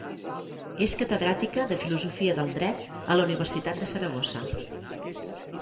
És catedràtica de Filosofia del Dret a la Universitat de Saragossa.